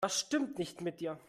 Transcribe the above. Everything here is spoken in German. Was stimmt nicht mit dir?